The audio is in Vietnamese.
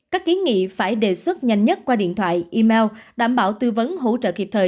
các kiến nghị phải đề xuất nhanh nhất qua điện thoại email đảm bảo tư vấn hỗ trợ kịp thời